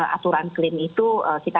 aturan klaim itu kita